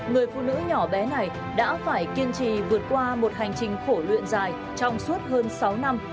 người phụ nữ nhỏ bé này đã phải kiên trì vượt qua một hành trình khổ luyện dài trong suốt hơn sáu năm